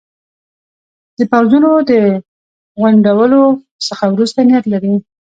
د پوځونو د غونډولو څخه وروسته نیت لري.